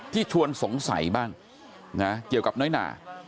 ชวนสงสัยบ้างนะเกี่ยวกับน้อยหนา